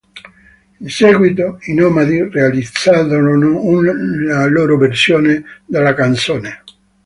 In seguito i Nomadi realizzarono una loro versione della canzone.